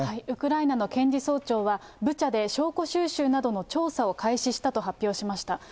ウクライナの検事総長は、ブチャで証拠収集などの調査を開始したと発表しました。